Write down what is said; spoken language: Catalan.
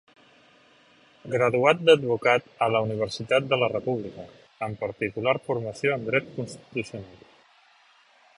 Graduat d'advocat a la Universitat de la República, amb particular formació en Dret constitucional.